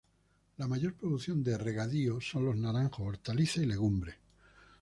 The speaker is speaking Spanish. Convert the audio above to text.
La mayor producción de regadío son los naranjos, hortalizas y legumbres.